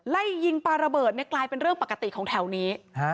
ไล่ยิงปลาระเบิดเนี่ยกลายเป็นเรื่องปกติของแถวนี้